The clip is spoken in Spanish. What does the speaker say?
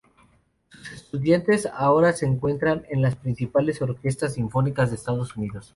Sus estudiantes ahora se encuentran en las principales orquestas sinfónicas de Estados Unidos.